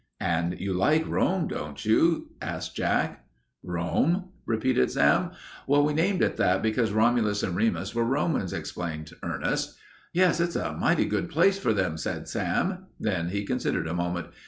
"And you like Rome, don't you?" asked Jack. "Rome?" repeated Sam. "We named it that because Romulus and Remus were Romans," explained Ernest. "Yes, it's a mighty good place for them," said Sam. Then he considered a moment.